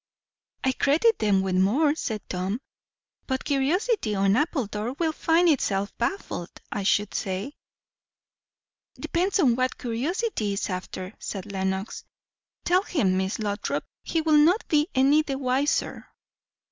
"I credit them with more," said Tom. "But curiosity on Appledore will find itself baffled, I should say." "Depends on what curiosity is after," said Lenox. "Tell him, Miss Lothrop; he will not be any the wiser."